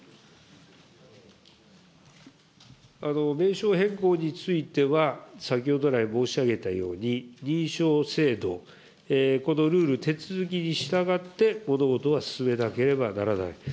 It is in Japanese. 名称変更については、先ほど来申し上げたように、認証制度、このルール、手続に従って、物事は進めなければならない。